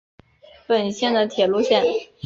本线的铁路线。